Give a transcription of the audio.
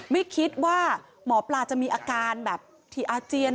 ไม่คิดว่าหมอปลาจะมีอาการแบบที่อาเจียน